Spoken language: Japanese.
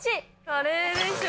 カレーでしょ。